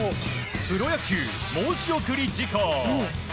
プロ野球申し送り事項」。